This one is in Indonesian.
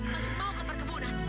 masih mau ke perkebunan